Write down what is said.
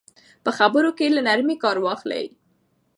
په خبرو کې له نرمۍ کار واخلئ.